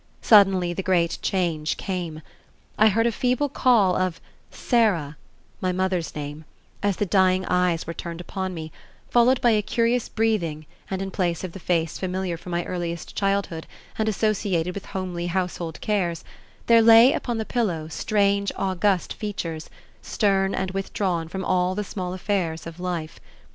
Suddenly the great change came. I heard a feeble call of "Sarah," my mother's name, as the dying eyes were turned upon me, followed by a curious breathing and in place of the face familiar from my earliest childhood and associated with homely household cares, there lay upon the pillow strange, august features, stern and withdrawn from all the small affairs of life.